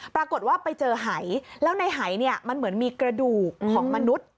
ปรากฏว่าไปเจอหายแล้วในหายเนี่ยมันเหมือนมีกระดูกของมนุษย์